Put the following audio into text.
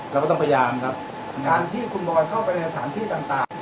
เราก็ต้องพยายามครับงานที่คุณบอยเข้าไปในสถานที่ต่าง